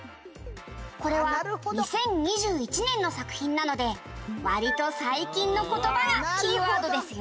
「これは２０２１年の作品なので割と最近の言葉がキーワードですよ」